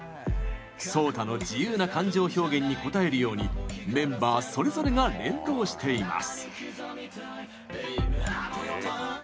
ＳＯＴＡの自由な感情表現に応えるようにメンバーそれぞれが連動しています。